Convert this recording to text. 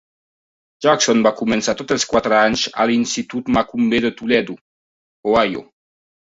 Jackson va començar tots els quatre anys a l'institut Macomber de Toledo, Ohio.